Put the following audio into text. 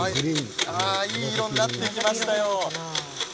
いい色になってきましたよ。